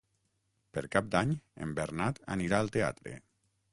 Per Cap d'Any en Bernat anirà al teatre.